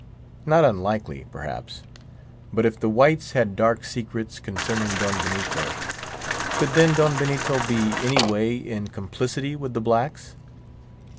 Not unlikely, perhaps. But if the whites had dark secrets concerning Don Benito, could then Don Benito be any way in complicity with the blacks?